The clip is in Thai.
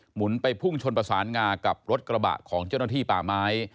หุนไปพุ่งชนประสานงากับรถกระบะของเจ้าหน้าที่ป่าไม้